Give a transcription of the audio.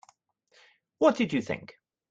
What did you think?